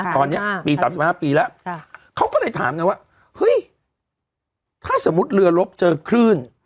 ตอนนี้มี๓๕ปีแล้วเขาก็เลยถามกันว่าเฮ้ยถ้าสมมุติเรือลบเจอคลื่น